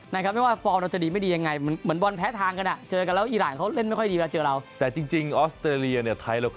นะครับไม่ว่าฟอลเราจะดีไม่ดียังไง